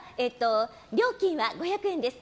料金は５００円です。